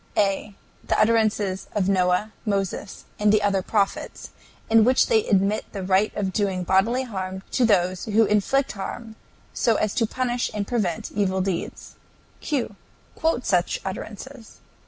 A. The utterances of Noah, Moses, and the other prophets, in which they admit the right of doing bodily harm to those who inflict harm, so as to punish and prevent evil deeds. Q. Quote such utterances.